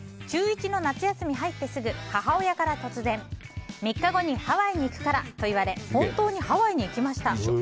中１の夏休み、入ってすぐ母親から突然、３日後にハワイに行くからと言われ本当にハワイに行きました。